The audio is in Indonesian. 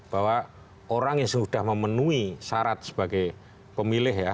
bahwa orang yang sudah memenuhi syarat sebagai pemilih ya